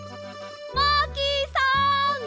マーキーさん！